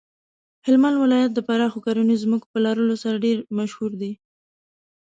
هلمند ولایت د پراخو کرنیزو ځمکو په لرلو سره ډیر مشهور دی.